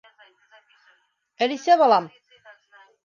—Әлисә балам!